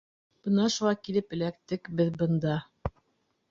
Бына шуға килеп эләктек беҙ бында.